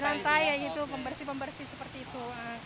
pembersih lantai ya gitu pembersih pembersih seperti itu